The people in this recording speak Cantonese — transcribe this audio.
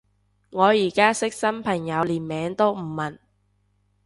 我而家識新朋友連名都唔問